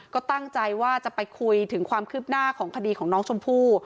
ก็ตั้งใจว่าจะไปคุยถึงความคืบหน้าของคดีของน้องชมพู่